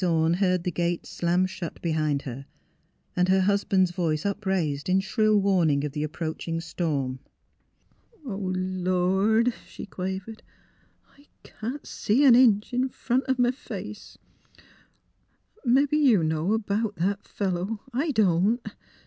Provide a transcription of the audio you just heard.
Orne heard the gate slam shut behind her, and her husband's voice upraised in shrill warning of the approach ing storm. GRANDMA OENE SPEAIvS HER MIND 219 " Oh, Lord! " she quavered. " I can't see an inch in front o' m' face. Mebbe you know 'bout that fellow, I don't.